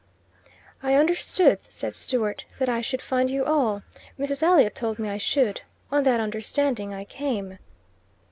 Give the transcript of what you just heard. "I understood," said Stewart, "that I should find you all. Mrs. Elliot told me I should. On that understanding I came."